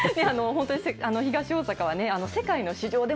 本当に東大阪はね、世界の市場で